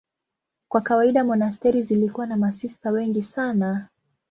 Kwa kawaida monasteri zilikuwa na masista wengi sana.